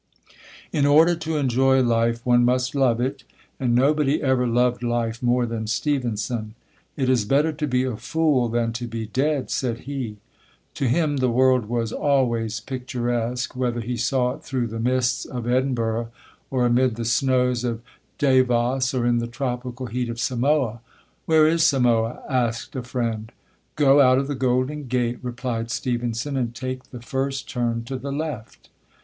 In order to enjoy life, one must love it; and nobody ever loved life more than Stevenson. "It is better to be a fool than to be dead," said he. To him the world was always picturesque, whether he saw it through the mists of Edinburgh, or amid the snows of Davos, or in the tropical heat of Samoa. "Where is Samoa?" asked a friend. "Go out of the Golden Gate," replied Stevenson, "and take the first turn to the left."